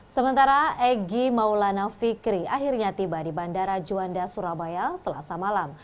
sementara egy maulana fikri akhirnya tiba di bandara juanda surabaya selasa malam